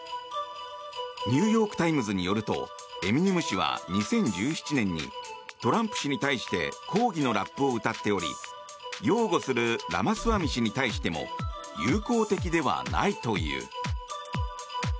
ニューヨーク・タイムズによるとエミネム氏は２０１７年にトランプ氏に対して抗議のラップを歌っており擁護するラマスワミ氏に対しても友好的ではないという。